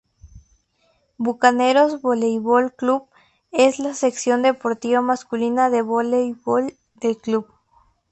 Bucaneros Voleibol Club, es la sección deportiva masculina de voleibol del club.